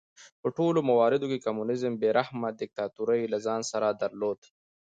په ټولو مواردو کې کمونېزم بې رحمه دیکتاتورۍ له ځان سره درلود.